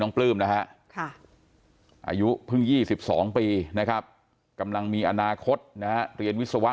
ปลื้มนะฮะอายุเพิ่ง๒๒ปีนะครับกำลังมีอนาคตนะฮะเรียนวิศวะ